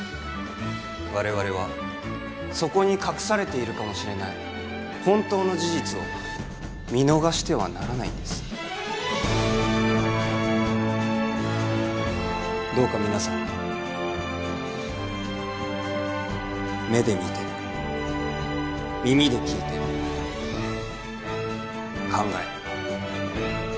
我々はそこに隠されているかもしれない本当の事実を見逃してはならないんですどうか皆さん目で見て耳で聞いて考え